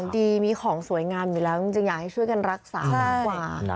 ที่มันจะอยากให้ช่วยกันรักษาหลังกว่า